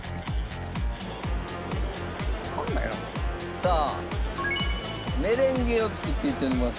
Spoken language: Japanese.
さあメレンゲを作っていっております。